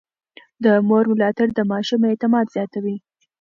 د مور ملاتړ د ماشوم اعتماد زياتوي.